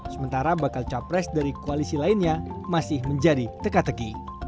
sementara bakal capres dari koalisi lainnya masih menjadi teka teki